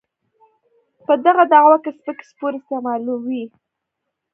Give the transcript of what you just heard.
په دغه دعوه کې سپکې سپورې استعمالوي.